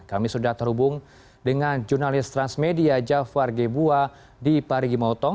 kami sudah terhubung dengan jurnalis transmedia jafar gebua di parigi motong